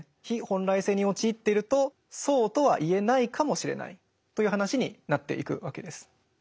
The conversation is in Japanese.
非本来性に陥っているとそうとは言えないかもしれないという話になっていくわけです。